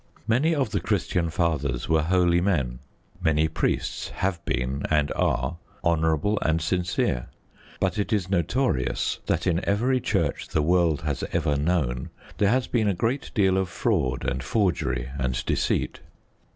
Many of the Christian fathers were holy men; many priests have been, and are, honourable and sincere; but it is notorious that in every Church the world has ever known there has been a great deal of fraud and forgery and deceit.